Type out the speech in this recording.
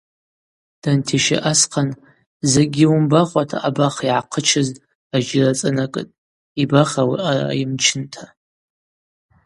Дантищы асхъан закӏгьи уымбахауата абах йгӏахъычыз ажьира цӏанакӏытӏ, йбах ауи аъара йымчынта.